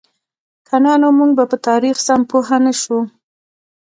که نه نو موږ به په تاریخ سم پوهـ نهشو.